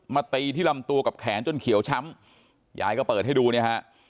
ตีที่ลำตัวกับแขนจนเขียวช้ำยายก็เปิดให้ดูเนี่ยฮะ